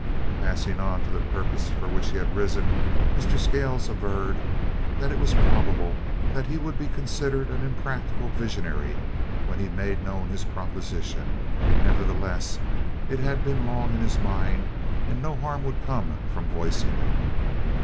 Passing on to the purpose for which he had risen, Mr. Scales averred that it was probable that he would be considered an impractical visionary when he made known his proposition; nevertheless, it had been long in his mind and no harm would come from voicing it.